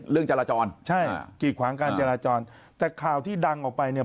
เรื่องจราจรใช่กีดขวางการจราจรแต่ข่าวที่ดังออกไปเนี่ย